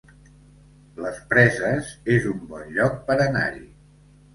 Preses, les es un bon lloc per anar-hi